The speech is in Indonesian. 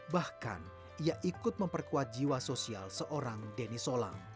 bahkan ia ikut memperkuat jiwa sosial seorang denny solang